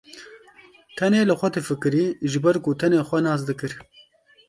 Tenê li xwe difikirî, ji ber ku tenê xwe nas dikir.